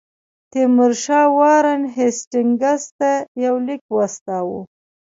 تیمورشاه وارن هیسټینګز ته یو لیک واستاوه.